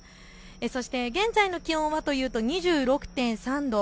そして現在の気温はというと２６．３度。